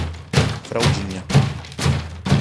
Fraldinha